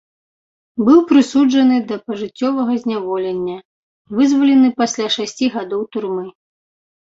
Быў прысуджаны да пажыццёвага зняволення, вызвалены пасля шасці гадоў турмы.